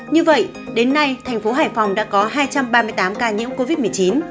như vậy đến nay thành phố hải phòng đã có hai trăm ba mươi tám ca nhiễm covid một mươi chín